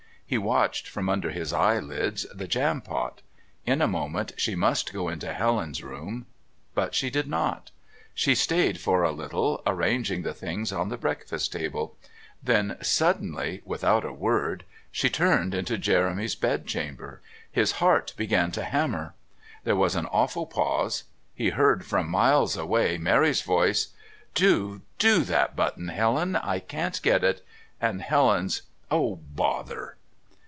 He watched, from under his eyelids, the Jampot. In a moment she must go into Helen's room. But she did not. She stayed for a little arranging the things on the breakfast table then suddenly, without a word, she turned into Jeremy's bedchamber. His heart began to hammer. There was an awful pause; he heard from miles away Mary's voice: "Do do that button, Helen, I can't get it!" and Helen's "Oh, bother!"